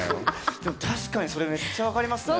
でも確かにそれめっちゃわかりますね。